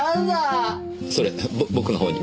それぼ僕のほうに。